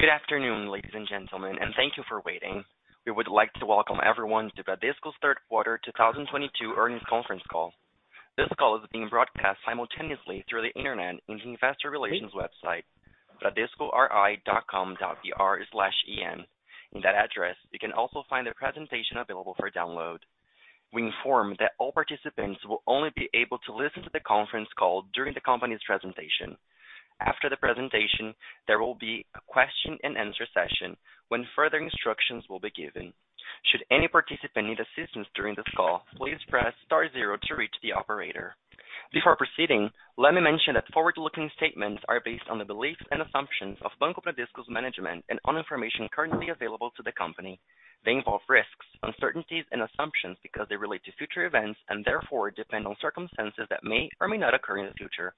Good afternoon, ladies and gentlemen, and thank you for waiting. We would like to welcome everyone to Bradesco's third quarter 2022 earnings conference call. This call is being broadcast simultaneously through the Internet on the Investor Relations website, bradescori.com.br/en. In that address, you can also find the presentation available for download. We inform that all participants will only be able to listen to the conference call during the company's presentation. After the presentation, there will be a question and answer session when further instructions will be given. Should any participant need assistance during this call, please press star zero to reach the operator. Before proceeding, let me mention that forward-looking statements are based on the beliefs and assumptions of Banco Bradesco's management and on information currently available to the company. They involve risks, uncertainties, and assumptions because they relate to future events and therefore depend on circumstances that may or may not occur in the future.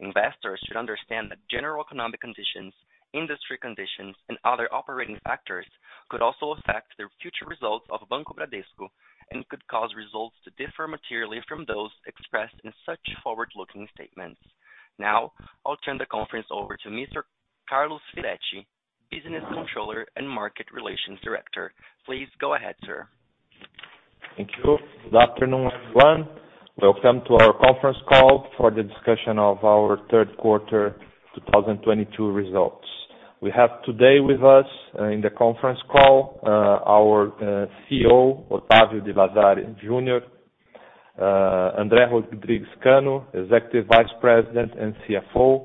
Investors should understand that general economic conditions, industry conditions, and other operating factors could also affect their future results of Banco Bradesco and could cause results to differ materially from those expressed in such forward-looking statements. Now, I'll turn the conference over to Mr. Carlos Firetti, business controller and market relations director. Please go ahead, sir. Thank you. Good afternoon, everyone. Welcome to our conference call for the discussion of our third quarter 2022 results. We have today with us in the conference call our CEO, Octavio de Lazari Junior, André Rodrigues Cano, Executive Vice President and CFO,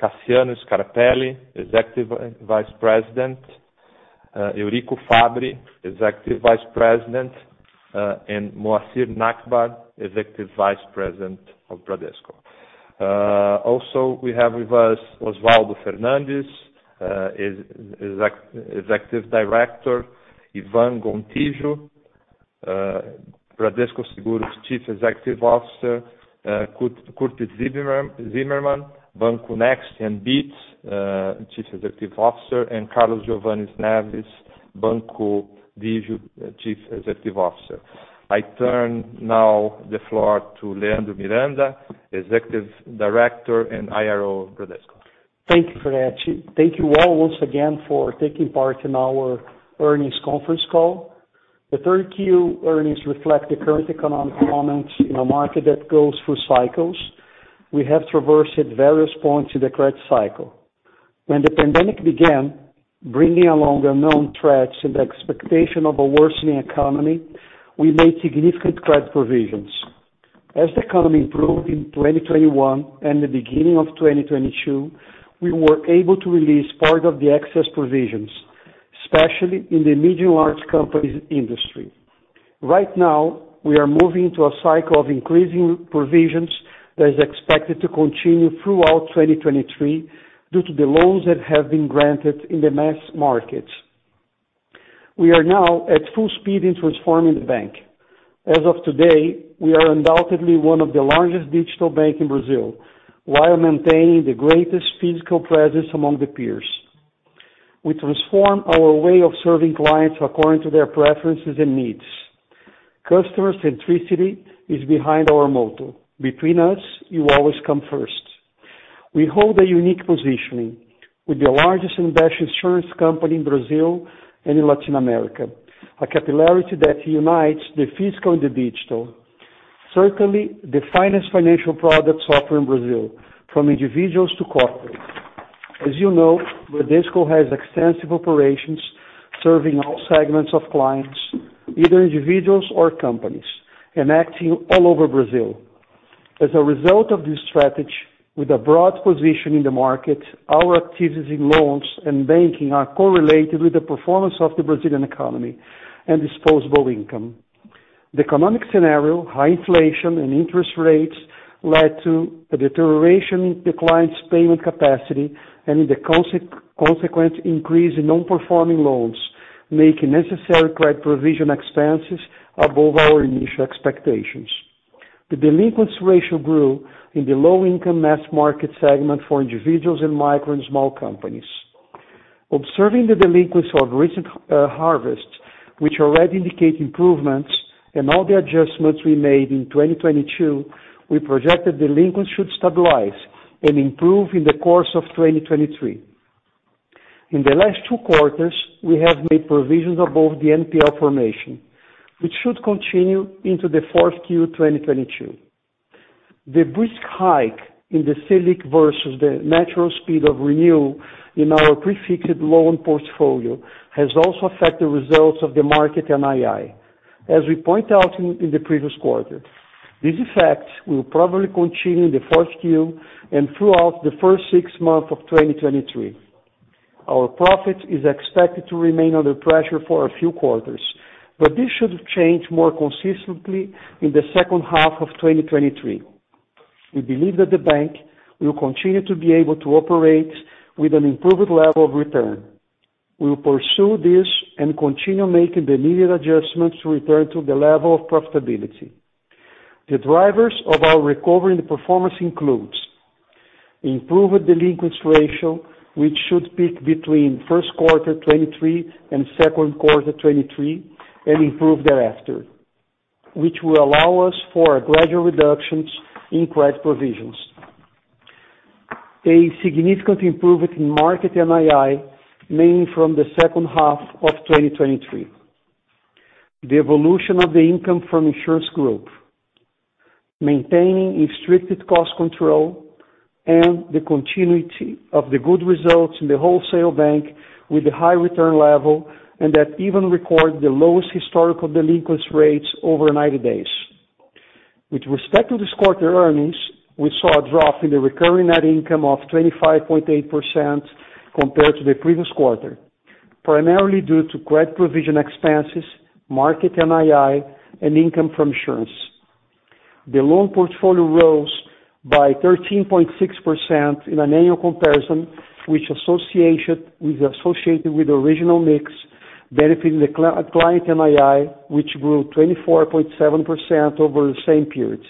Cassiano Scarpelli, Executive Vice President, Eurico Fabri, Executive Vice President, and Marcelo Noronha, Executive Vice President of Bradesco. Also, we have with us Oswaldo Fernandes, Executive Director, Ivan Gontijo, Bradesco Seguros Chief Executive Officer, Curt Zimmermann, Banco Next and Bitz Chief Executive Officer, and Carlos Giovane Neves, Banco Digio Chief Executive Officer. I turn now the floor to Leandro de Miranda, Executive Director and IRO Bradesco. Thank you, Firetti. Thank you all once again for taking part in our earnings conference call. The 3Q earnings reflect the current economic moment in a market that goes through cycles. We have traversed at various points in the credit cycle. When the pandemic began, bringing along unknown threats and the expectation of a worsening economy, we made significant credit provisions. As the economy improved in 2021 and the beginning of 2022, we were able to release part of the excess provisions, especially in the medium large companies industry. Right now, we are moving to a cycle of increasing provisions that is expected to continue throughout 2023 due to the loans that have been granted in the mass markets. We are now at full speed in transforming the bank. As of today, we are undoubtedly one of the largest digital bank in Brazil, while maintaining the greatest physical presence among the peers. We transform our way of serving clients according to their preferences and needs. Customer centricity is behind our motto, "Between us, you always come first." We hold a unique positioning with the largest and best insurance company in Brazil and in Latin America, a capillarity that unites the physical and the digital. Certainly, the finest financial products offered in Brazil, from individuals to corporate. As you know, Bradesco has extensive operations serving all segments of clients, either individuals or companies, and acting all over Brazil. As a result of this strategy, with a broad position in the market, our activities in loans and banking are correlated with the performance of the Brazilian economy and disposable income. The economic scenario, high inflation and interest rates led to a deterioration in the client's payment capacity and in the consequent increase in non-performing loans, making necessary credit provision expenses above our initial expectations. The delinquency ratio grew in the low income mass market segment for individuals in micro and small companies. Observing the delinquency of recent vintages, which already indicate improvements and all the adjustments we made in 2022, we project that delinquency should stabilize and improve in the course of 2023. In the last two quarters, we have made provisions above the NPL formation, which should continue into the 4Q 2022. The brisk hike in the Selic versus the natural speed of renewal in our pre-fixed loan portfolio has also affected results of the market and NII. As we point out in the previous quarter, this effect will probably continue in the 4Q and throughout the first six months of 2023. Our profit is expected to remain under pressure for a few quarters, but this should change more consistently in the second half of 2023. We believe that the bank will continue to be able to operate with an improved level of return. We will pursue this and continue making the needed adjustments to return to the level of profitability. The drivers of our recovery and performance includes improved delinquency ratio, which should peak between first quarter 2023 and second quarter 2023 and improve thereafter, which will allow us for gradual reductions in credit provisions. A significant improvement in market NII, mainly from the second half of 2023. The evolution of the income from insurance group, maintaining a strict cost control and the continuity of the good results in the wholesale bank with the high return level and that even record the lowest historical delinquency rates over 90 days. With respect to this quarter's earnings, we saw a drop in the recurring net income of 25.8% compared to the previous quarter, primarily due to credit provision expenses, market NII and income from insurance. The loan portfolio rose by 13.6% in an annual comparison, which, associated with the origination mix, benefiting the client NII, which grew 24.7% over the same period.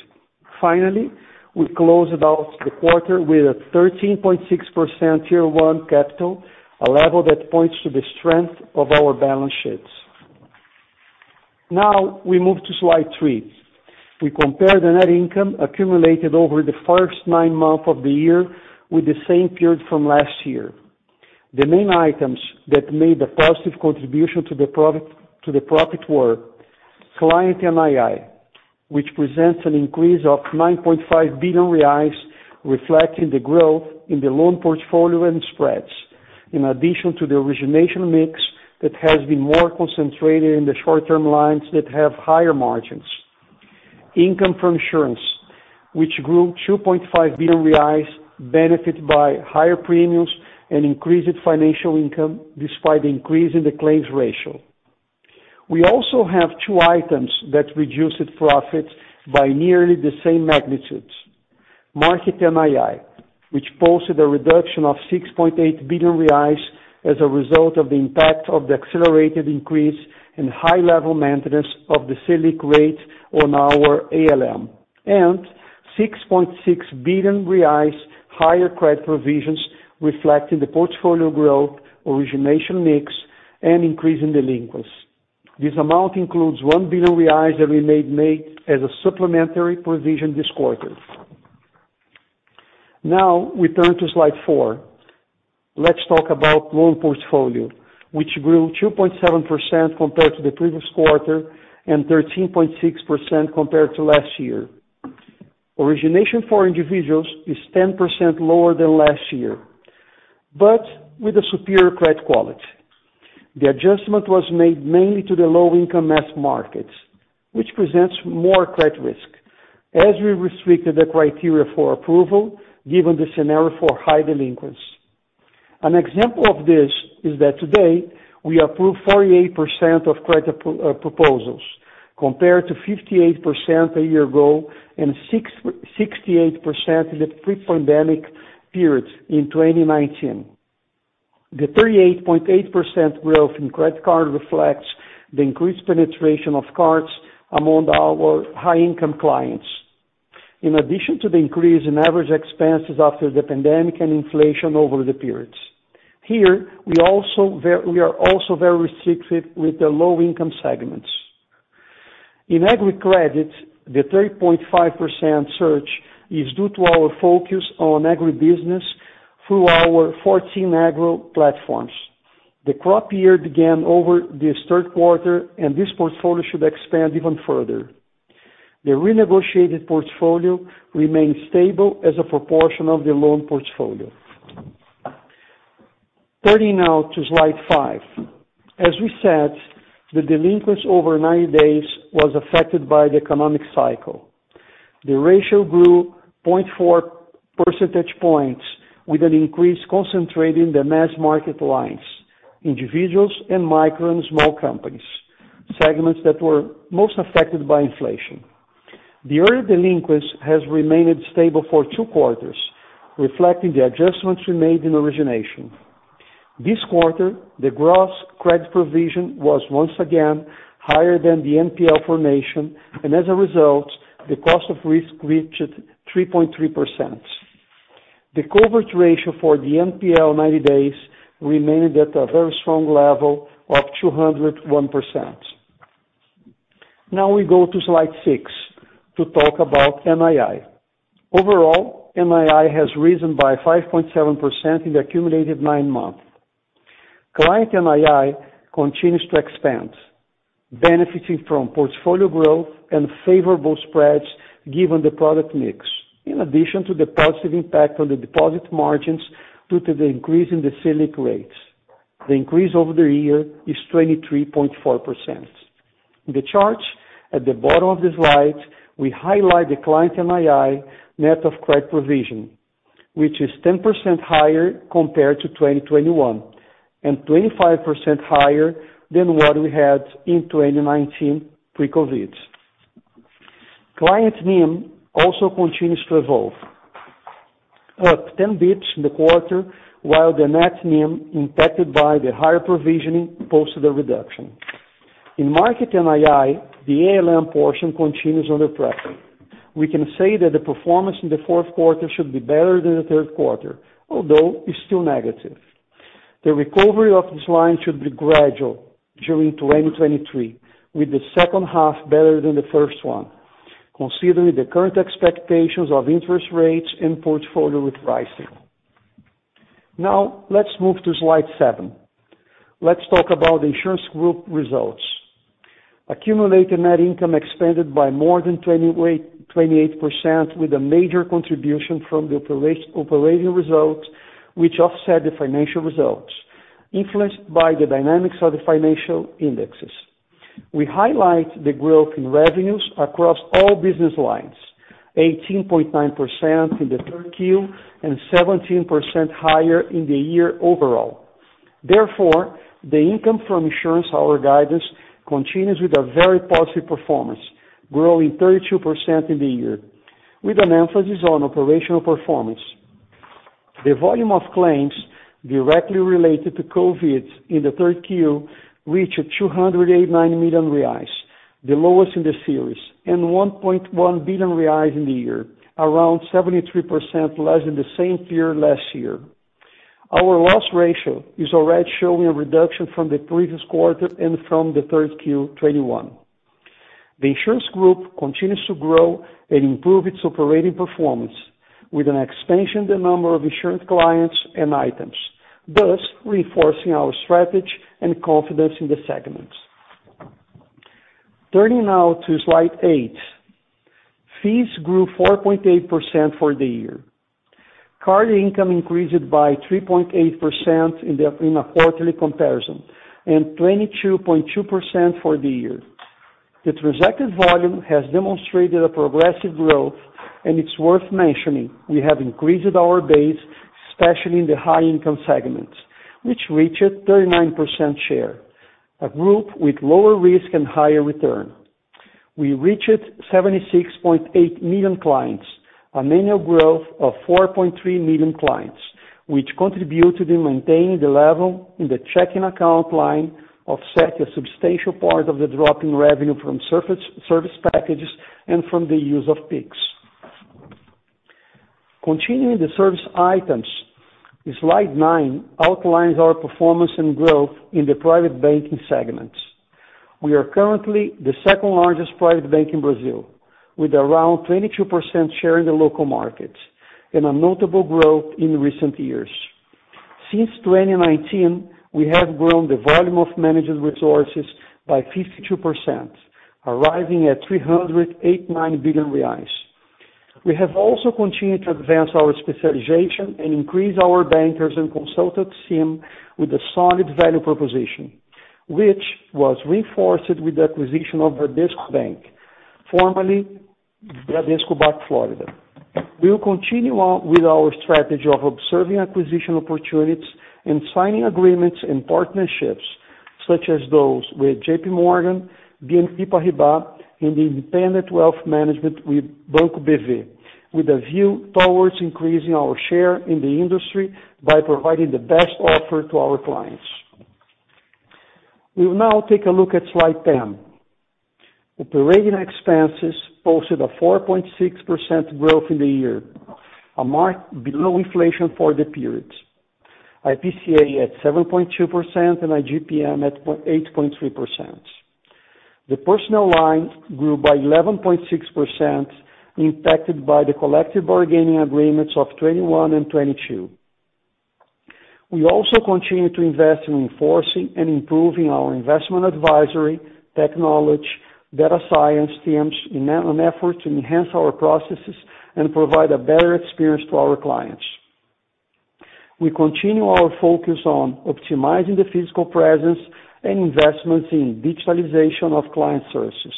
Finally, we closed out the quarter with a 13.6% Tier 1 capital, a level that points to the strength of our balance sheets. Now we move to slide three. We compare the net income accumulated over the first nine months of the year with the same period from last year. The main items that made the positive contribution to the profit were client NII, which presents an increase of 9.5 billion reais, reflecting the growth in the loan portfolio and spreads, in addition to the origination mix that has been more concentrated in the short term lines that have higher margins. Income from insurance, which grew 2.5 billion reais, benefited by higher premiums and increased financial income despite the increase in the claims ratio. We also have two items that reduced profit by nearly the same magnitude. Market NII, which posted a reduction of 6.8 billion reais as a result of the impact of the accelerated increase and high-level maintenance of the Selic rate on our ALM. 6.6 billion reais, higher credit provisions reflecting the portfolio growth, origination mix, and increase in delinquencies. This amount includes 1 billion reais that we made as a supplementary provision this quarter. Now we turn to slide four. Let's talk about loan portfolio, which grew 2.7% compared to the previous quarter and 13.6% compared to last year. Origination for individuals is 10% lower than last year, but with a superior credit quality. The adjustment was made mainly to the low income mass markets, which presents more credit risk, as we restricted the criteria for approval given the scenario for high delinquencies. An example of this is that today we approved 48% of credit proposals, compared to 58% a year ago and 68% in the pre-pandemic period in 2019. The 38.8% growth in credit card reflects the increased penetration of cards among our high income clients. In addition to the increase in average expenses after the pandemic and inflation over the periods. Here, we are also very restricted with the low income segments. In agri credit, the 3.5% surge is due to our focus on agribusiness through our 14 agro platforms. The crop year began over this third quarter, and this portfolio should expand even further. The renegotiated portfolio remains stable as a proportion of the loan portfolio. Turning now to slide five. As we said, the delinquency over 90 days was affected by the economic cycle. The ratio grew 0.4 percentage points with an increase concentrated the mass market lines, individuals and micro and small companies, segments that were most affected by inflation. Early delinquency has remained stable for two quarters, reflecting the adjustments we made in origination. This quarter, the gross credit provision was once again higher than the NPL formation, and as a result, the cost of risk reached 3.3%. The coverage ratio for the 90-day NPL remained at a very strong level of 201%. Now we go to slide six to talk about NII. Overall, NII has risen by 5.7% in the accumulated nine months. Client NII continues to expand, benefiting from portfolio growth and favorable spreads given the product mix, in addition to the positive impact on the deposit margins due to the increase in the Selic rates. The increase over the year is 23.4%. The charts at the bottom of the slide, we highlight the client NII net of credit provision, which is 10% higher compared to 2021, and 25% higher than what we had in 2019 pre-COVID. Client NIM also continues to evolve, up 10 basis points in the quarter, while the net NIM impacted by the higher provisioning posted a reduction. In market NII, the ALM portion continues under pressure. We can say that the performance in the fourth quarter should be better than the third quarter, although it's still negative. The recovery of this line should be gradual during 2023, with the second half better than the first one, considering the current expectations of interest rates and portfolio with pricing. Now let's move to slide seven. Let's talk about insurance group results. Accumulated net income expanded by more than 28% with a major contribution from the operating results, which offset the financial results influenced by the dynamics of the financial indexes. We highlight the growth in revenues across all business lines, 18.9% in the 3Q and 17% higher in the year overall. Therefore, the income from insurance. Our guidance continues with a very positive performance, growing 32% in the year with an emphasis on operational performance. The volume of claims directly related to COVID in the 3Q reached 289 million reais, the lowest in the series, and 1.1 billion reais in the year, around 73% less than the same period last year. Our loss ratio is already showing a reduction from the previous quarter and from the 3Q 2021. The insurance group continues to grow and improve its operating performance with an expansion in the number of insurance clients and items, thus reinforcing our strategy and confidence in the segment. Turning now to slide eight. Fees grew 4.8% for the year. Card income increased by 3.8% in a quarterly comparison and 22.2% for the year. The transaction volume has demonstrated a progressive growth, and it's worth mentioning we have increased our base, especially in the high income segments, which reached 39% share, a group with lower risk and higher return. We reached 76.8 million clients, an annual growth of 4.3 million clients, which contributed in maintaining the level in the checking account line, offset a substantial part of the drop in revenue from service packages and from the use of Pix. Continuing the service items, slide nine outlines our performance and growth in the private banking segment. We are currently the second largest private bank in Brazil, with around 22% share in the local market and a notable growth in recent years. Since 2019, we have grown the volume of managed resources by 52%, arriving at 389 billion reais. We have also continued to advance our specialization and increase our bankers and consultants team with a solid value proposition, which was reinforced with the acquisition of Bradesco Bank, formerly Bradesco BAC Florida Bank. We will continue on with our strategy of observing acquisition opportunities and signing agreements and partnerships such as those with JP Morgan, BNP Paribas in the independent wealth management with Banco BV, with a view towards increasing our share in the industry by providing the best offer to our clients. We will now take a look at slide 10. Operating expenses posted a 4.6% growth in the year, a mark below inflation for the period, IPCA at 7.2% and IGPM at 8.3%. The personnel line grew by 11.6%, impacted by the collective bargaining agreements of 2021 and 2022. We also continue to invest in enforcing and improving our investment advisory, technology, data science teams in an effort to enhance our processes and provide a better experience to our clients. We continue our focus on optimizing the physical presence and investments in digitalization of client services.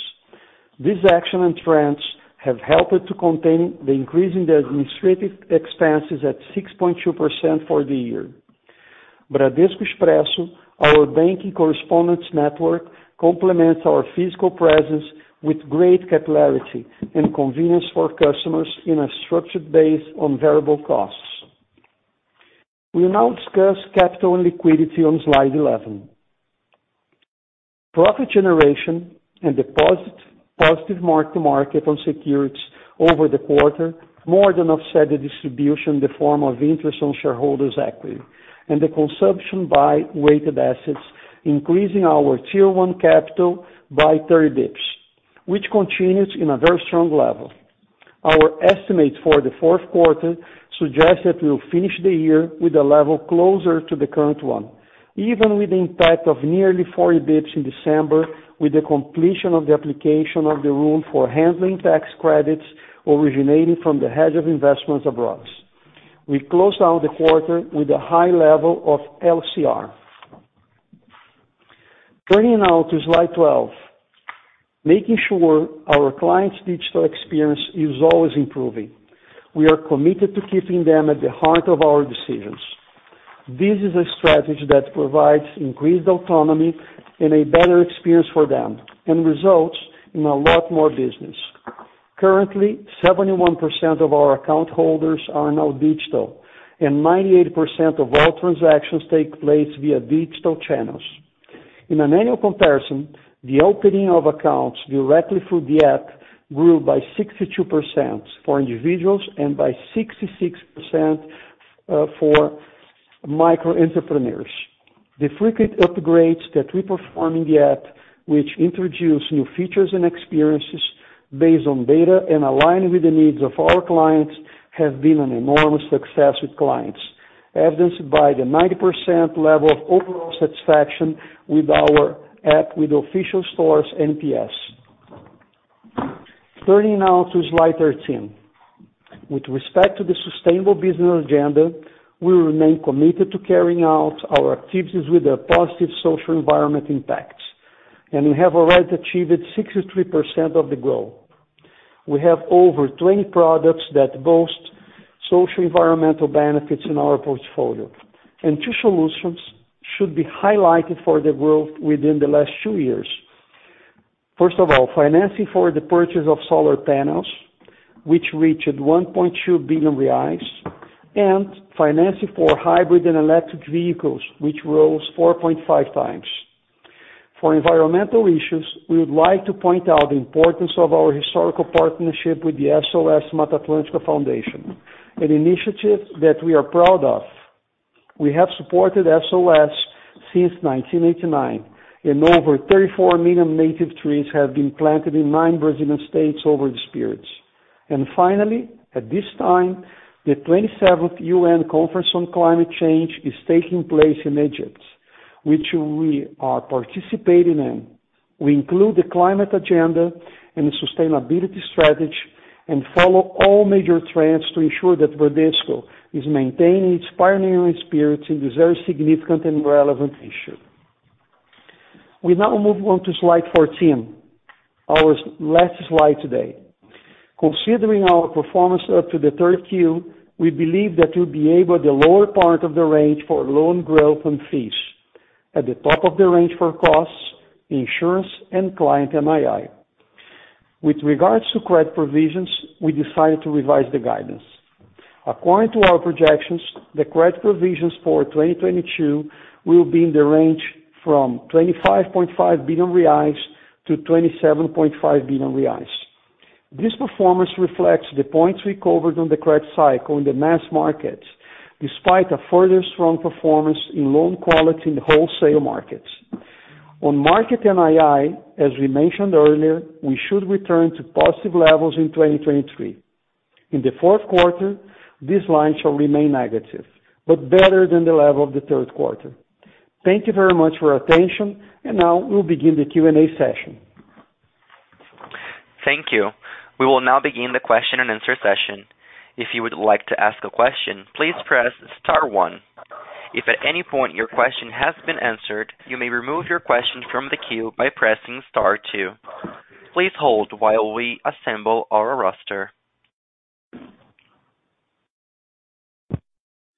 This action and trends have helped to contain the increase in the administrative expenses at 6.2% for the year. Bradesco Expresso, our banking correspondence network, complements our physical presence with great clarity and convenience for customers in a structured base on variable costs. We now discuss capital and liquidity on slide 11. Profit generation and the positive mark-to-market on securities over the quarter more than offset the distribution in the form of interest on shareholders' equity and the consumption by weighted assets, increasing our Tier 1 capital by 30 basis points, which continues in a very strong level. Our estimates for the fourth quarter suggest that we'll finish the year with a level closer to the current one, even with the impact of nearly 40 basis points in December with the completion of the application of the rule for handling tax credits originating from the hedge of investments abroad. We closed out the quarter with a high level of LCR. Turning now to slide 12. Making sure our clients' digital experience is always improving. We are committed to keeping them at the heart of our decisions. This is a strategy that provides increased autonomy and a better experience for them and results in a lot more business. Currently, 71% of our account holders are now digital and 98% of all transactions take place via digital channels. In an annual comparison, the opening of accounts directly through the app grew by 62% for individuals and by 66% for micro entrepreneurs. The frequent upgrades that we perform in the app, which introduce new features and experiences based on data and align with the needs of our clients, have been an enormous success with clients, evidenced by the 90% level of overall satisfaction with our app with official stores NPS. Turning now to slide 13. With respect to the sustainable business agenda, we remain committed to carrying out our activities with a positive social and environmental impact, and we have already achieved 63% of the goal. We have over 20 products that boast social and environmental benefits in our portfolio, and two solutions should be highlighted for their growth within the last two years. First of all, financing for the purchase of solar panels, which reached 1.2 billion reais, and financing for hybrid and electric vehicles, which rose 4.5x. For environmental issues, we would like to point out the importance of our historical partnership with the SOS Mata Atlântica Foundation, an initiative that we are proud of. We have supported SOS since 1989, and over 34 million native trees have been planted in nine Brazilian states over the years. Finally, at this time, the 27th UN Conference on Climate Change is taking place in Egypt, which we are participating in. We include the climate agenda and the sustainability strategy and follow all major trends to ensure that Bradesco is maintaining its pioneering spirit in this very significant and relevant issue. We now move on to slide 14, our last slide today. Considering our performance up to the 3Q, we believe that we'll be able at the lower part of the range for loan growth and fees. At the top of the range for costs, insurance and client NII. With regards to credit provisions, we decided to revise the guidance. According to our projections, the credit provisions for 2022 will be in the range from 25.5 billion reais to 27.5 billion reais. This performance reflects the points recovered on the credit cycle in the mass market, despite a further strong performance in loan quality in the wholesale market. On market NII, as we mentioned earlier, we should return to positive levels in 2023. In the fourth quarter, this line shall remain negative, but better than the level of the third quarter. Thank you very much for your attention, and now we'll begin the Q&A session. Thank you. We will now begin the question and answer session. If you would like to ask a question, please press star one. If at any point your question has been answered, you may remove your question from the queue by pressing star two. Please hold while we assemble our roster.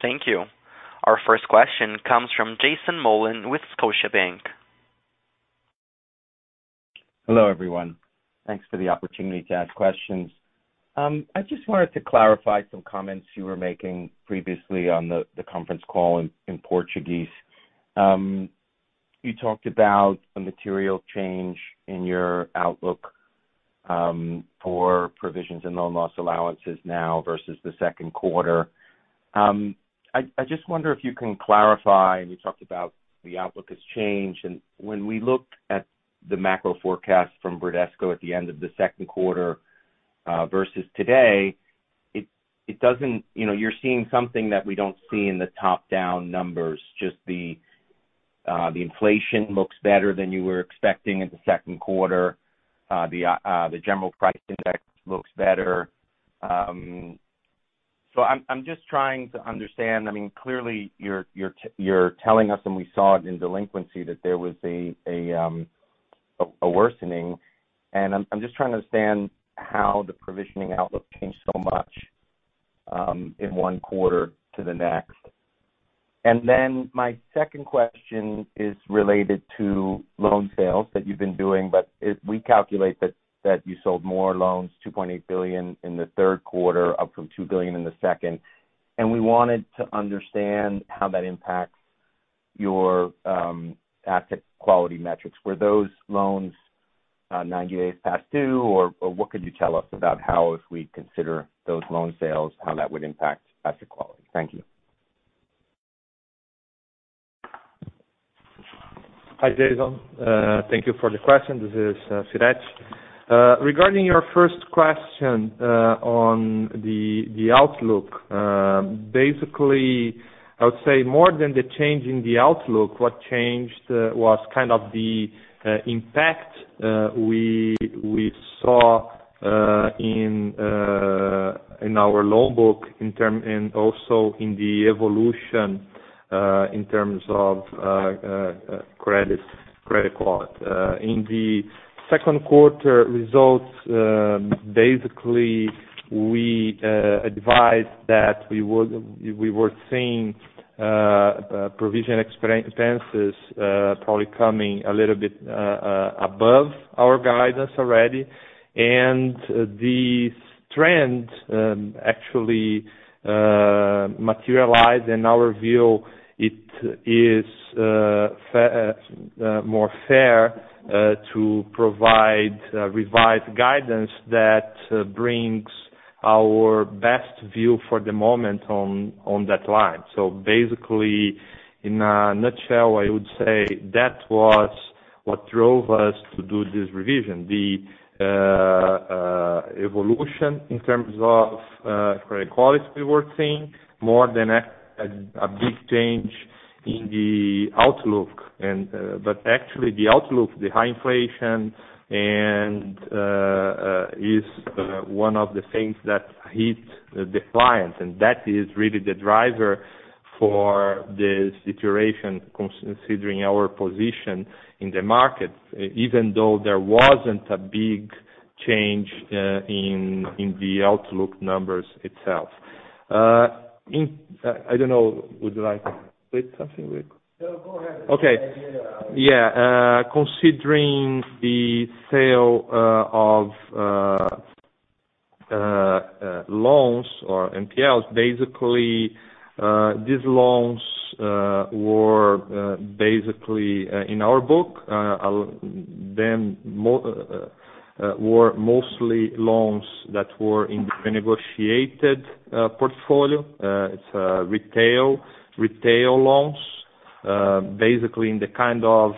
Thank you. Our first question comes from Jason Mollin with Scotiabank. Hello, everyone. Thanks for the opportunity to ask questions. I just wanted to clarify some comments you were making previously on the conference call in Portuguese. You talked about a material change in your outlook for provisions and loan loss allowances now versus the second quarter. I just wonder if you can clarify. You talked about the outlook has changed. When we looked at the macro forecast from Bradesco at the end of the second quarter versus today, it doesn't, you know, you're seeing something that we don't see in the top-down numbers. Just the inflation looks better than you were expecting in the second quarter. The general price index looks better. I'm just trying to understand. I mean, clearly you're telling us, and we saw it in delinquency, that there was a worsening, and I'm just trying to understand how the provisioning outlook changed so much in one quarter to the next. Then my second question is related to loan sales that you've been doing, but we calculate that you sold more loans, 2.8 billion in the third quarter, up from 2 billion in the second. We wanted to understand how that impacts your asset quality metrics. Were those loans 90 days past due? Or what could you tell us about how if we consider those loan sales, how that would impact asset quality? Thank you. Hi, Jason. Thank you for the question. This is Firetti. Regarding your first question on the outlook, basically, I would say more than the change in the outlook, what changed was kind of the impact we saw in our loan book and also in the evolution in terms of credit quality. In the second quarter results, basically we advised that we were seeing provision expenses probably coming a little bit above our guidance already. The trend actually materialized. In our view it is more fair to provide revised guidance that brings Our best view for the moment on that line. Basically, in a nutshell, I would say that was what drove us to do this revision. The evolution in terms of credit quality we were seeing, more than a big change in the outlook, but actually the outlook, the high inflation and is one of the things that hit the clients, and that is really the driver for the situation considering our position in the market, even though there wasn't a big change in the outlook numbers itself. I don't know. Would you like to say something, Eurico? No, go ahead. Okay. Yeah, considering the sale of loans or NPLs, basically, these loans were basically in our book, they were mostly loans that were in the renegotiated portfolio. It's retail loans, basically in the kind of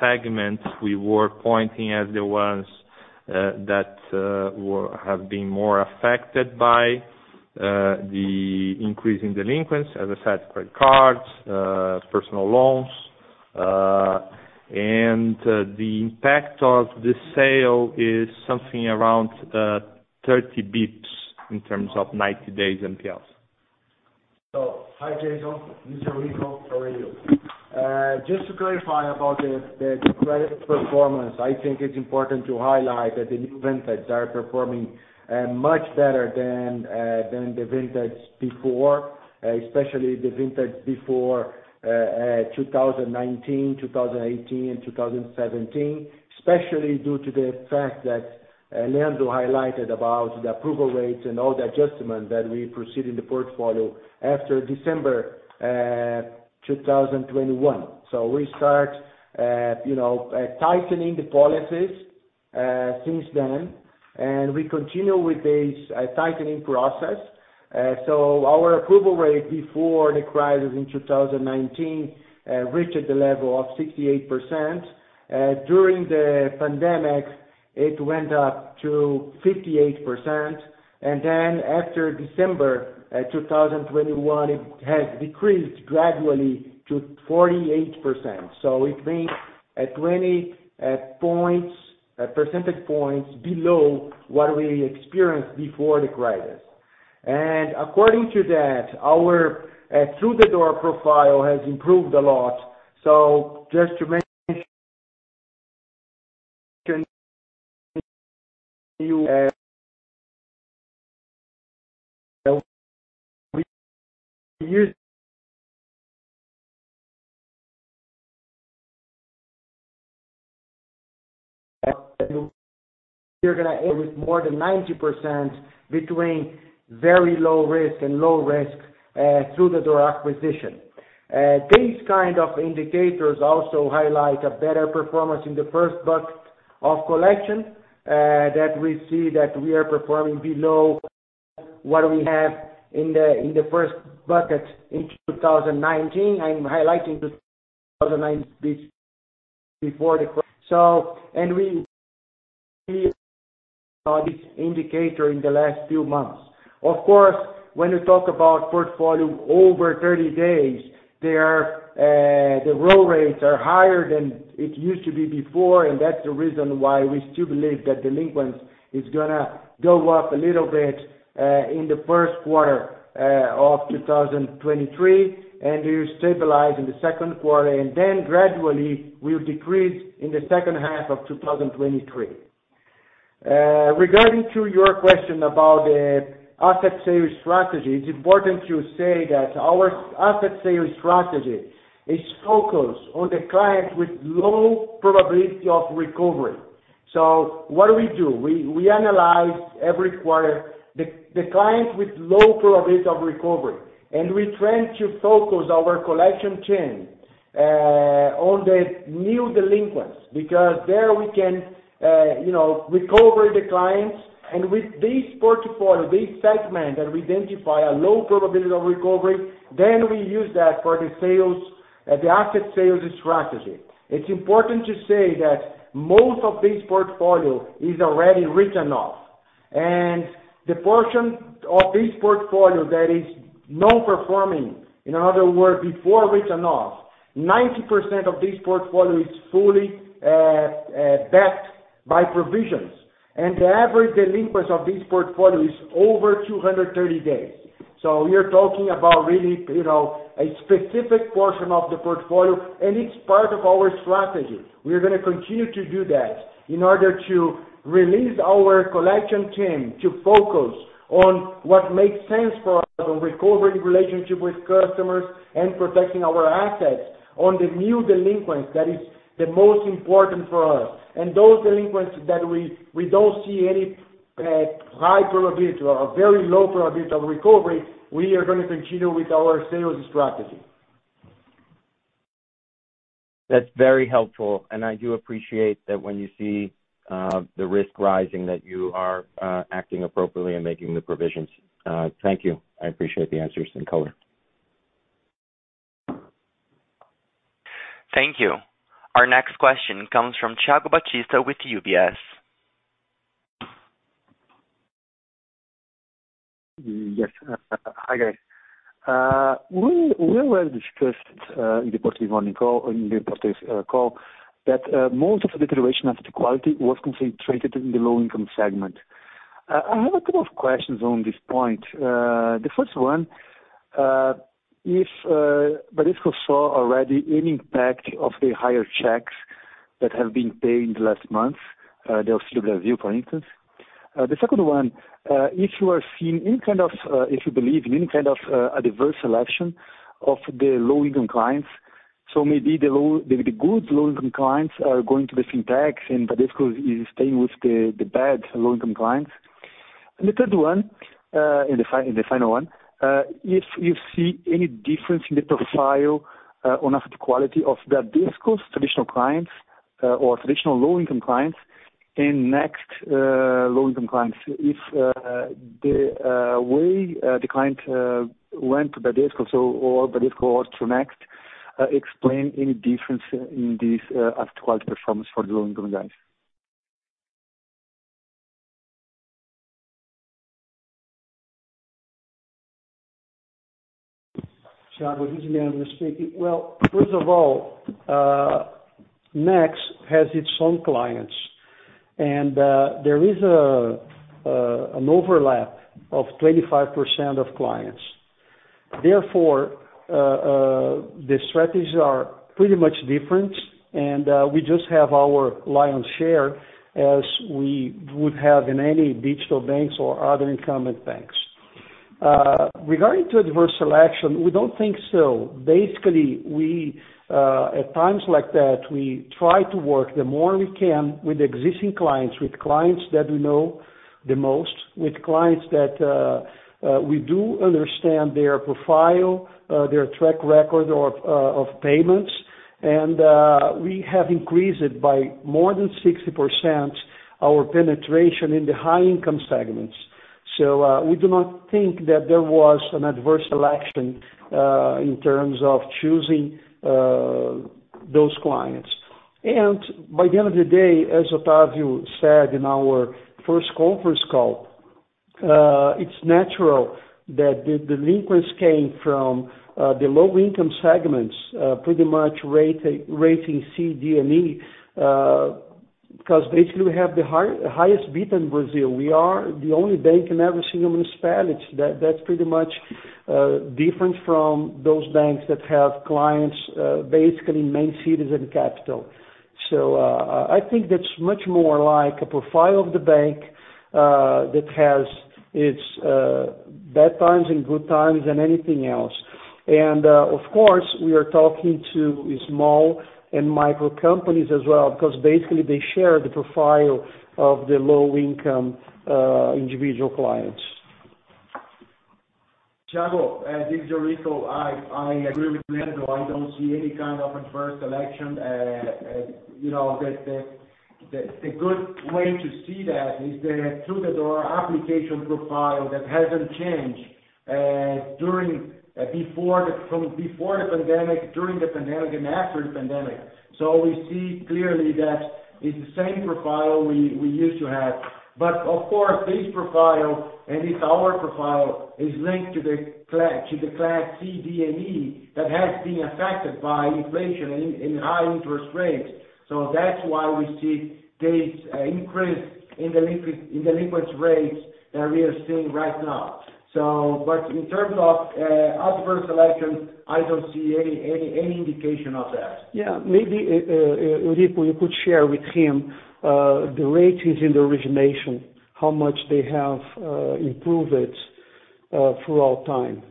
segments we were pointing as the ones that have been more affected by the increase in delinquency, as I said, credit cards, personal loans. The impact of the sale is something around 30 basis points in terms of 90 days NPLs. Hi, Jason. This is Eurico, how are you? Just to clarify about the credit performance, I think it's important to highlight that the new vintage are performing much better than the vintage before, especially the vintage before 2019, 2018, and 2017. Especially due to the fact that Leandro highlighted about the approval rates and all the adjustment that we proceed in the portfolio after December 2021. We start, you know, tightening the policies since then, and we continue with this tightening process. Our approval rate before the crisis in 2019 reached the level of 68%. During the pandemic, it went up to 58%. Then after December 2021, it has decreased gradually to 48%. It means 20 percentage points below what we experienced before the crisis. According to that, our through-the-door profile has improved a lot. Just to mention, we're gonna end with more than 90% between very low risk and low risk through-the-door acquisition. These kind of indicators also highlight a better performance in the first bucket of collection, that we see we are performing below what we have in the first bucket in 2019. I'm highlighting 2019 before the crisis. This indicator in the last few months. Of course, when you talk about portfolio over 30 days, there, the roll rates are higher than it used to be before, and that's the reason why we still believe that delinquents is gonna go up a little bit in the first quarter of 2023, and we stabilize in the second quarter. Then gradually, we'll decrease in the second half of 2023. Regarding your question about the asset sales strategy, it's important to say that our asset sales strategy is focused on the clients with low probability of recovery. So what do we do? We analyze every quarter the clients with low probability of recovery, and we tend to focus our collection team on the new delinquents, because there we can, you know, recover the clients. With this portfolio, this segment that we identify a low probability of recovery, then we use that for the sales, the asset sales strategy. It's important to say that most of this portfolio is already written off. The portion of this portfolio that is non-performing, in other words, before written off, 90% of this portfolio is fully backed by provisions. The average delinquency of this portfolio is over 230 days. We are talking about really, you know, a specific portion of the portfolio, and it's part of our strategy. We're gonna continue to do that in order to release our collection team to focus on what makes sense for us on recovering relationship with customers and protecting our assets on the new delinquents. That is the most important for us. Those delinquents that we don't see any high probability or a very low probability of recovery, we are gonna continue with our sales strategy. That's very helpful. I do appreciate that when you see the risk rising, that you are acting appropriately and making the provisions. Thank you. I appreciate the answers and color. Thank you. Our next question comes from Thiago Batista with UBS. Yes. Hi, guys. We were discussed in the previous morning call that most of the deterioration of the quality was concentrated in the low-income segment. I have a couple of questions on this point. The first one, if Bradesco saw already any impact of the higher checks that have been paid last month, the Auxílio Brasil, for instance. The second one, if you believe in any kind of adverse selection of the low-income clients, so maybe the good low-income clients are going to the fintechs and Bradesco is staying with the bad low-income clients. The final one, if you see any difference in the profile on the quality of Bradesco's traditional clients or traditional low-income clients and Next low-income clients, if the way the client went to Bradesco so or Bradesco to Next, explain any difference in this asset quality performance for the low-income guys. Thiago, this is Leandro speaking. Well, first of all, Next has its own clients, and there is an overlap of 25% of clients. Therefore, the strategies are pretty much different and we just have our lion's share as we would have in any digital banks or other incumbent banks. Regarding to adverse selection, we don't think so. Basically, we at times like that, we try to work the more we can with existing clients, with clients that we know the most, with clients that we do understand their profile, their track record or of payments. We have increased by more than 60% our penetration in the high income segments. We do not think that there was an adverse selection in terms of choosing those clients. By the end of the day, as Otavio said in our first conference call, it's natural that the delinquents came from the low-income segments, pretty much rating C, D, and E, because basically we have the highest footprint in Brazil. We are the only bank in every single municipality. That's pretty much different from those banks that have clients basically in main cities and capitals. I think that's much more like a profile of the bank that has its bad times and good times than anything else. Of course, we are talking to small and micro companies as well because basically they share the profile of the low-income individual clients. Thiago, this is Eurico. I agree with Leandro. I don't see any kind of adverse selection. You know, the good way to see that is that through the door application profile that hasn't changed from before the pandemic, during the pandemic and after the pandemic. We see clearly that it's the same profile we used to have. Of course, this profile, and it's our profile, is linked to the class C, D, and E that has been affected by inflation in high interest rates. That's why we see this increase in delinquency rates that we are seeing right now. In terms of adverse selection, I don't see any indication of that. Yeah. Maybe Eurico, you could share with him the ratings in the origination, how much they have improved throughout time.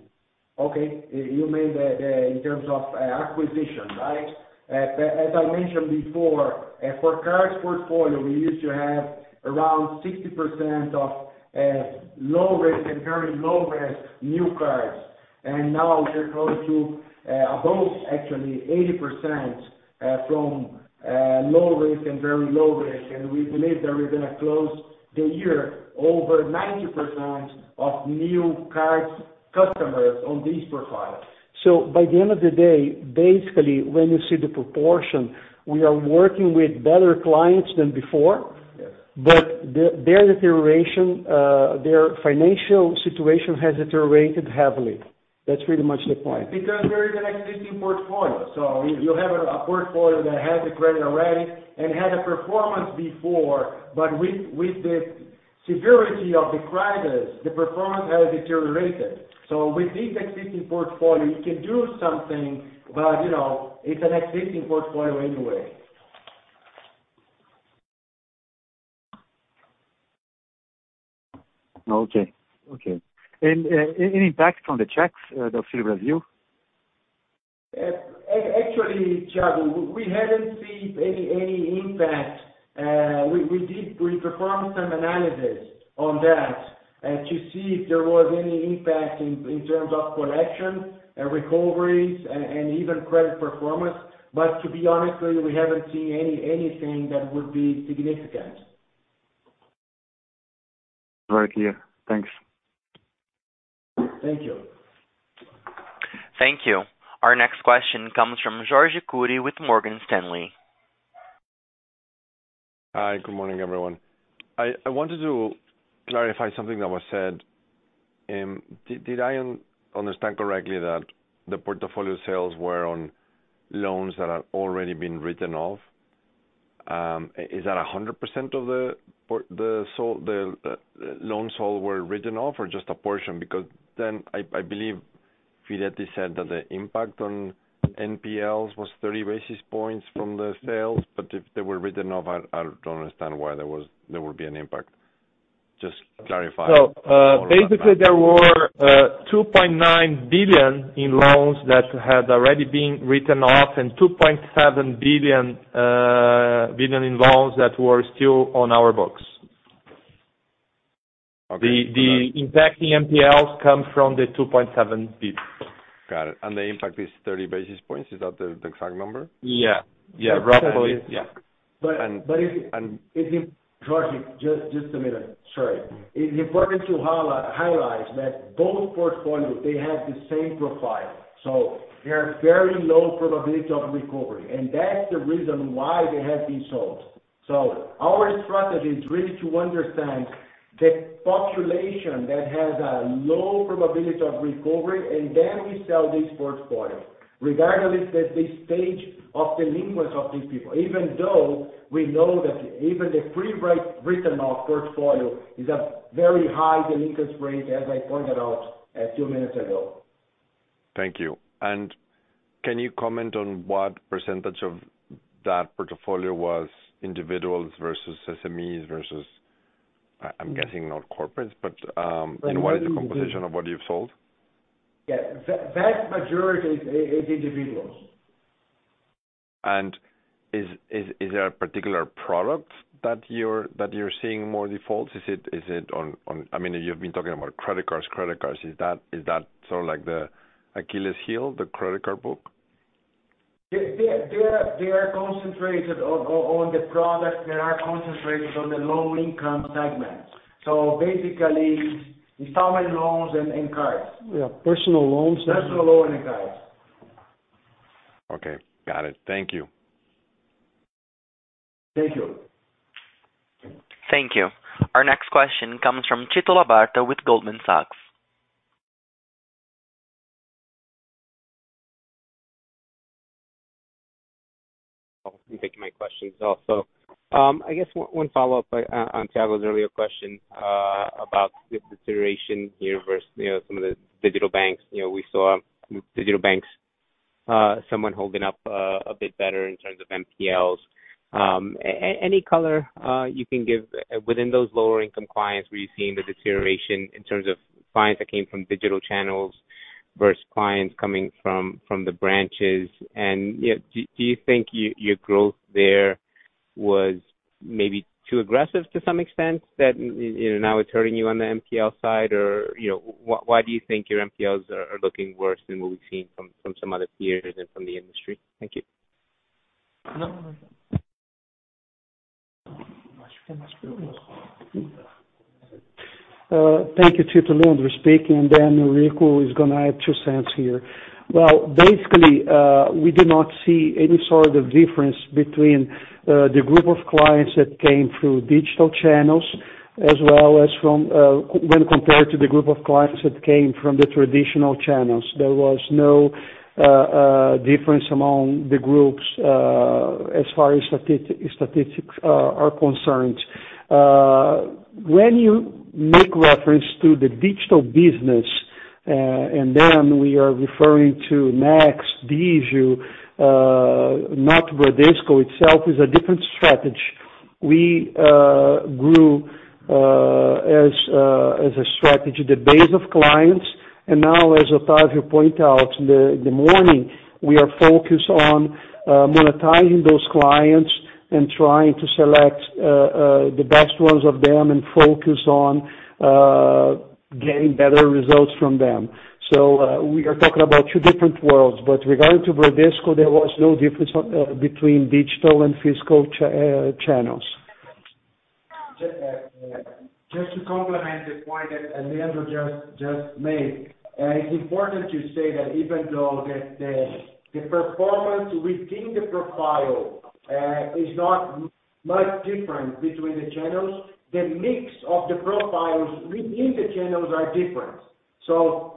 Okay. You mean in terms of acquisition, right? As I mentioned before, for current portfolio we used to have around 60% of low risk and very low risk new cards. Now we're close to above actually 80% of low risk and very low risk. We believe that we're gonna close the year over 90% of new card customers on this profile. By the end of the day, basically when you see the proportion, we are working with better clients than before. Yes. Their financial situation has deteriorated heavily. That's pretty much the point. Because there is an existing portfolio. You have a portfolio that has the credit already and had a performance before, but with the severity of the crisis, the performance has deteriorated. With this existing portfolio, you can do something but, you know, it's an existing portfolio anyway. Okay, any impact from the checks, the Auxílio Brasil? Actually, Thiago, we haven't seen any impact. We performed some analysis on that to see if there was any impact in terms of collection, recoveries and even credit performance. To be honest, we haven't seen anything that would be significant. Right here. Thanks. Thank you. Thank you. Our next question comes from Jorge Kuri with Morgan Stanley. Hi, good morning, everyone. I wanted to clarify something that was said. Did I understand correctly that the portfolio sales were on loans that had already been written off? Is that 100% of the loans sold were written off or just a portion? Because then I believe Firetti said that the impact on NPLs was 30 basis points from the sales, but if they were written off, I don't understand why there would be an impact. Just clarify more about that. Basically, there were 2.9 billion in loans that had already been written off and 2.7 billion in loans that were still on our books. Okay. The impact, the NPLs come from the 2.7 billion. Got it. The impact is 30 basis points. Is that the exact number? Yeah. Yeah, roughly. Yeah. If you... Jorge, just a minute. Sorry. It's important to highlight that both portfolios, they have the same profile. There are very low probability of recovery. That's the reason why they have been sold. Our strategy is really to understand the population that has a low probability of recovery, and then we sell this portfolio. Regardless of the stage of delinquencies of these people, even though we know that even the written-off portfolio is a very high delinquency rate, as I pointed out a few minutes ago. Thank you. Can you comment on what percentage of that portfolio was individuals versus SMEs versus, I'm guessing not corporates, but, in what is the composition of what you've sold? Yeah. Vast majority is individuals. Is there a particular product that you're seeing more defaults? Is it on? I mean, you've been talking about credit cards. Is that sort of like the Achilles heel, the credit card book? They are concentrated on the products that are concentrated on the low-income segment. Basically, installment loans and cards. Yeah, personal loans and... Personal loans and cards. Okay. Got it. Thank you. Thank you. Thank you. Our next question comes from Tito Labarta with Goldman Sachs. Oh, you're taking my questions also. I guess one follow-up on Thiago's earlier question about the deterioration here versus, you know, some of the digital banks. You know, we saw digital banks somewhat holding up a bit better in terms of NPLs. Any color you can give within those lower income clients where you're seeing the deterioration in terms of clients that came from digital channels versus clients coming from the branches. And, you know, do you think your growth there was maybe too aggressive to some extent that, you know, now it's hurting you on the NPL side? Or, you know, why do you think your NPLs are looking worse than what we've seen from some other peers and from the industry? Thank you. Thank you, Tito. Leandro speaking, and then Rico is gonna add two cents here. Well, basically, we do not see any sort of difference between the group of clients that came through digital channels, when compared to the group of clients that came from the traditional channels. There was no difference among the groups, as far as statistics are concerned. When you make reference to the digital business, and then we are referring to Next, Digio, not Bradesco itself, is a different strategy. We grew, as a strategy, the base of clients. Now, as Otavio point out in the morning, we are focused on monetizing those clients and trying to select the best ones of them and focus on getting better results from them. We are talking about two different worlds, but regarding to Bradesco, there was no difference between digital and physical channels. Just to complement the point that Leandro just made, it's important to say that even though the performance within the profile is not much different between the channels, the mix of the profiles within the channels are different.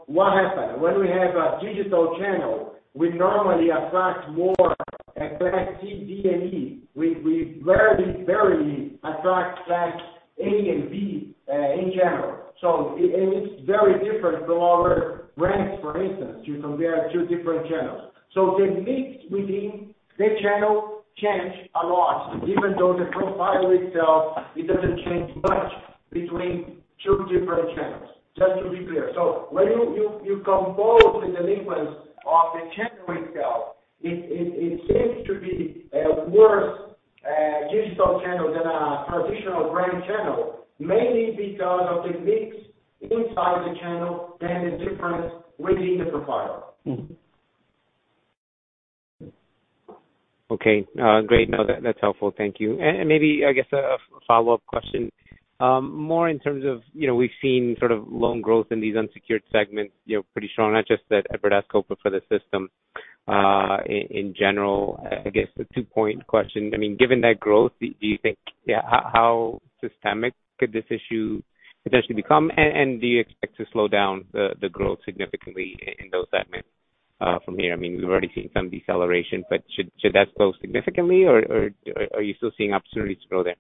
What happened? When we have a digital channel, we normally attract more at class C, D, and E. We very rarely attract class A and B in general. And it's very different from our branches, for instance, to compare two different channels. The mix within the channel change a lot, even though the profile itself, it doesn't change much between two different channels. Just to be clear. When you compare the delinquencies of the channel itself, it seems to be worse digital channel than a traditional branch channel, mainly because of the mix inside the channel and the difference within the profile. Okay. Great. No, that's helpful. Thank you. Maybe I guess a follow-up question, more in terms of, you know, we've seen sort of loan growth in these unsecured segments, you know, pretty strong, not just at Bradesco, but for the system, in general. I guess the two-part question, I mean, given that growth, do you think? Yeah, how systemic could this issue potentially become? And do you expect to slow down the growth significantly in those segments, from here? I mean, we've already seen some deceleration, but should that slow significantly or are you still seeing opportunity to grow there?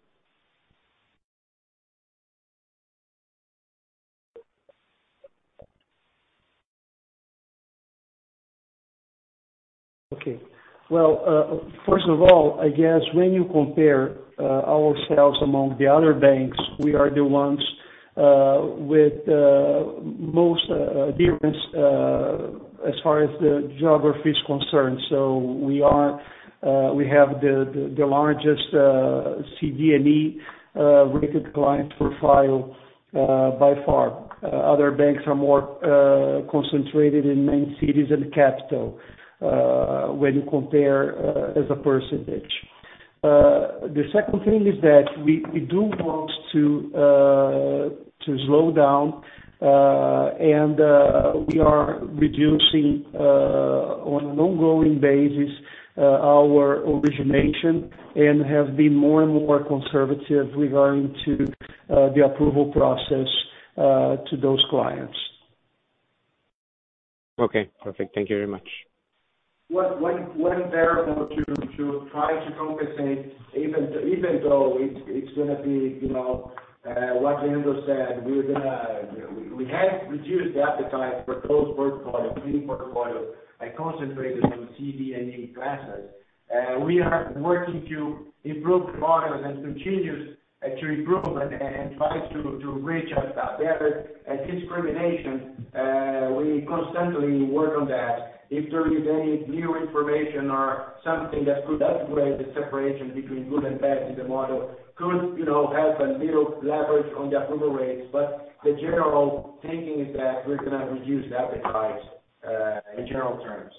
Okay. Well, first of all, I guess when you compare our sales among the other banks, we are the ones with most difference as far as the geography is concerned. We have the largest C, D and E rated client profile by far. Other banks are more concentrated in main cities and capital when you compare as a percentage. The second thing is that we do want to slow down and we are reducing on an ongoing basis our origination and have been more and more conservative regarding to the approval process to those clients. Okay, perfect. Thank you very much. Therefore to try to compensate even though it's gonna be, you know, what Leandro said. We have reduced the appetite for those portfolios, lending portfolios, and concentrated on C, D and E classes. We are working to improve the models and to continue to improve and try to reach a better discrimination. We constantly work on that. If there is any new information or something that could upgrade the separation between good and bad in the model could, you know, have a little leverage on the approval rates. The general thinking is that we're gonna reduce the appetite in general terms.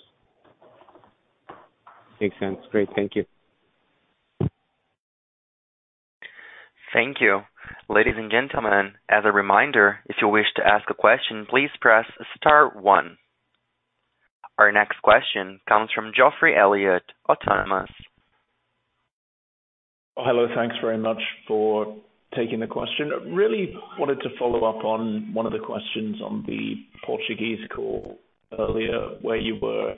Makes sense. Great. Thank you. Thank you. Ladies and gentlemen, as a reminder, if you wish to ask a question, please press star one. Our next question comes from Geoffrey Elliott, Autonomous. Hello. Thanks very much for taking the question. Really wanted to follow up on one of the questions on the Portuguese call earlier, where you were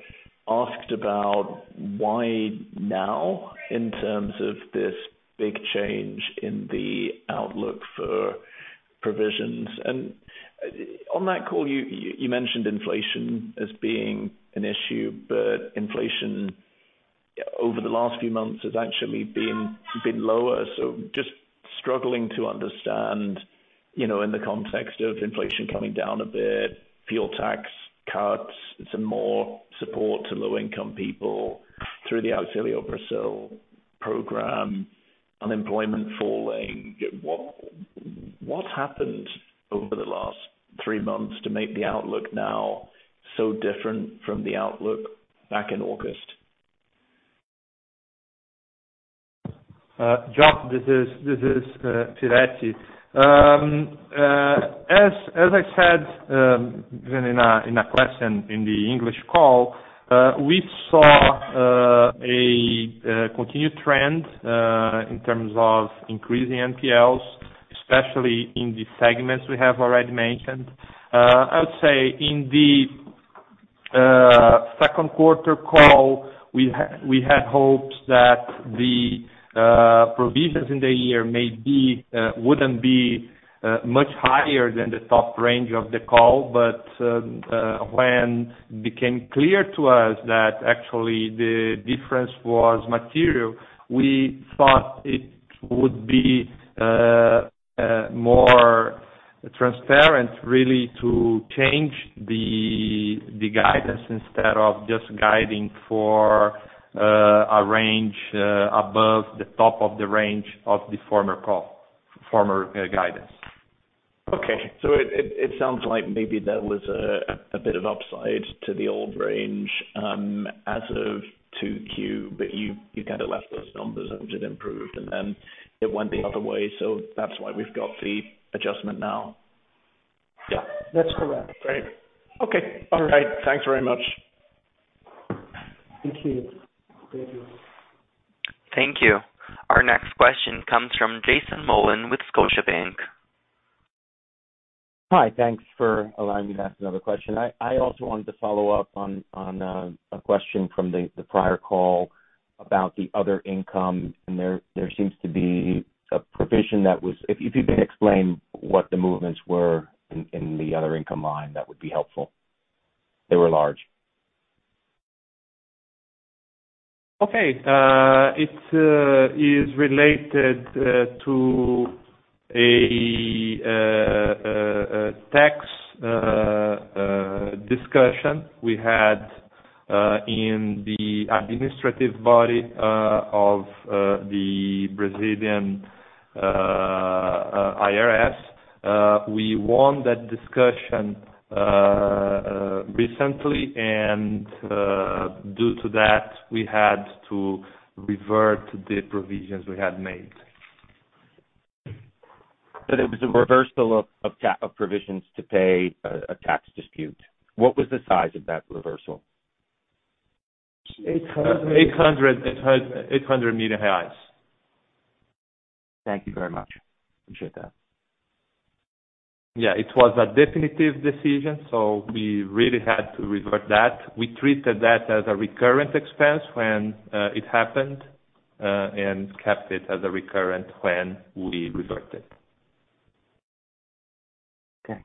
asked about why now in terms of this big change in the outlook for provisions. On that call, you mentioned inflation as being an issue, but inflation over the last few months has actually been lower. Just struggling to understand, you know, in the context of inflation coming down a bit, fuel tax cuts, some more support to low income people through the Auxílio Brasil program, unemployment falling. What happened over the last three months to make the outlook now so different from the outlook back in August? Geoff, this is Firetti. As I said, even in a question in the English call, we saw a continued trend in terms of increasing NPLs, especially in the segments we have already mentioned. I would say in the second quarter call, we had hopes that the provisions in the year may be wouldn't be much higher than the top range of the call. When became clear to us that actually the difference was material, we thought it would be more transparent really to change the guidance instead of just guiding for a range above the top of the range of the former call, former guidance. Okay. It sounds like maybe there was a bit of upside to the old range as of 2Q, but you kind of left those numbers and it improved, and then it went the other way. That's why we've got the adjustment now. Yeah That's correct. Great. Okay. All right. Thanks very much. Thank you. Thank you. Thank you. Our next question comes from Jason Mollin with Scotiabank. Hi. Thanks for allowing me to ask another question. I also wanted to follow up on a question from the prior call about the other income, and there seems to be a provision that was. If you could explain what the movements were in the other income line, that would be helpful. They were large. Okay. It is related to a tax discussion we had in the administrative body of the Brazilian IRS. We won that discussion recently and, due to that, we had to revert the provisions we had made. It was a reversal of provisions to pay a tax dispute. What was the size of that reversal? 800. 800 million. Thank you very much. Appreciate that. Yeah. It was a definitive decision, so we really had to revert that. We treated that as a recurrent expense when it happened, and kept it as a recurrent when we reversed it. Okay.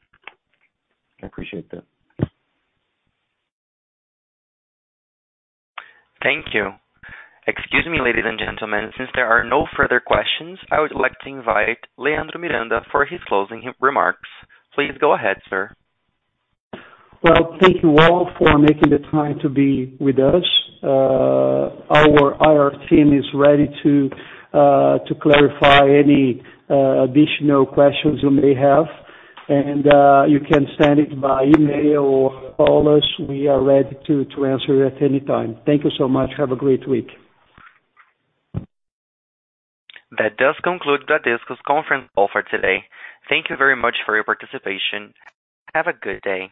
I appreciate that. Thank you. Excuse me, ladies and gentlemen. Since there are no further questions, I would like to invite Leandro Miranda for his closing remarks. Please go ahead, sir. Well, thank you all for making the time to be with us. Our team is ready to clarify any additional questions you may have. You can send it by email or call us. We are ready to answer you at any time. Thank you so much. Have a great week. That does conclude Bradesco's conference call for today. Thank you very much for your participation. Have a good day.